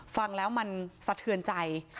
ฟังแล้วมันสะเทือนใจ